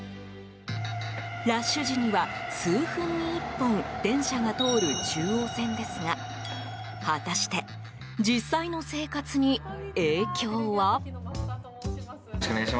ラッシュ時には、数分に１本電車が通る中央線ですが果たして、実際の生活に影響は？